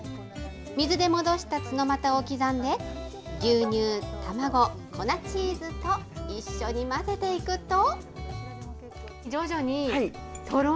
水で戻したツノマタを刻んで、牛乳、卵、粉チーズと一緒に混ぜていくと。